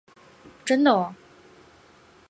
真的喔！